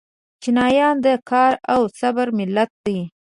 چینایان د کار او صبر ملت دی.